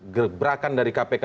gerbrakan dari kpk